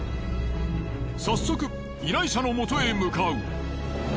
早速依頼者のもとへ向かう。